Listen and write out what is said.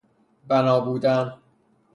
بنا بودن